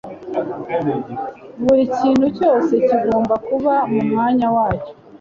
buri kintu cyose kigomba kuba mumwanya wacyo